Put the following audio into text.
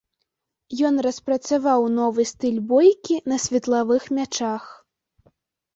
Ён распрацаваў новы стыль бойкі на светлавых мячах.